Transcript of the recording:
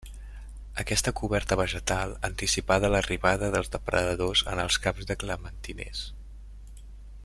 Aquesta coberta vegetal anticipada l'arribada dels depredadors en els camps de clementiners.